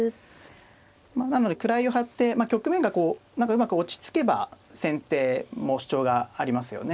まあなので位をはって局面がこううまく落ち着けば先手も主張がありますよね。